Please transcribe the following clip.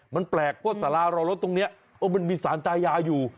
มันแปลกว่าสารารอรถตรงนี้มันมีสารตายาอยู่